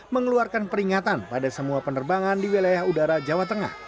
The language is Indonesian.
mengeluarkan peringatan pada semua penerbangan di wilayah udara jawa tengah